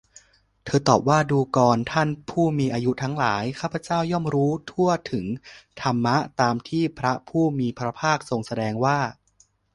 เธอตอบว่า ดูกรท่านผู้มีอายุทั้งหลาย ข้าพเจ้าย่อมรู้ทั่วถึงธรรมตามที่พระผู้มีพระภาคทรงแสดงว่า